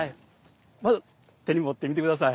まず手に持ってみて下さい。